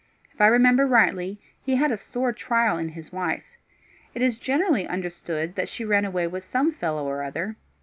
If I remember rightly, he had a sore trial in his wife. It is generally understood that she ran away with some fellow or other.